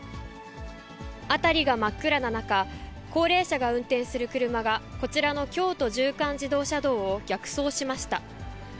辺りが真っ暗な中、高齢者が運転する車が、こちらの京都縦貫自動車道を逆走しました。